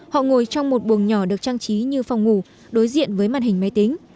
họ ngồi trong một buồng nhỏ được trang trí như phòng ngủ đối diện với màn hình máy tính